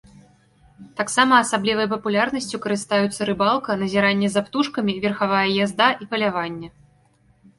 Таксама асаблівай папулярнасцю карыстаюцца рыбалка, назіранне за птушкамі, верхавая язда і паляванне.